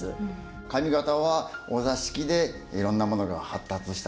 上方はお座敷でいろんなものが発達したと言えますよね。